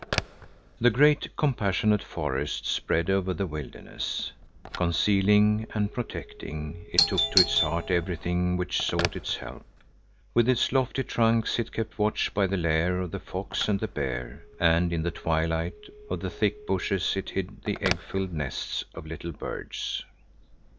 The great compassionate forest spread over the wilderness. Concealing and protecting, it took to its heart everything which sought its help. With its lofty trunks it kept watch by the lair of the fox and the bear, and in the twilight of the thick bushes it hid the egg filled nests of little birds.